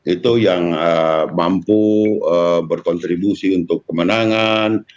itu yang mampu berkontribusi untuk kemenangan